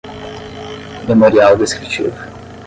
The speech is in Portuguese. memorial descritivo